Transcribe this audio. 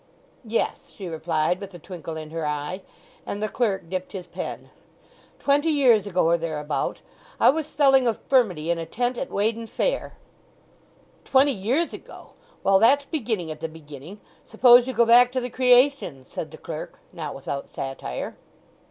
"Yes," she replied with a twinkle in her eye; and the clerk dipped his pen. "Twenty years ago or thereabout I was selling of furmity in a tent at Weydon Fair——" "'Twenty years ago'—well, that's beginning at the beginning; suppose you go back to the Creation!" said the clerk, not without satire.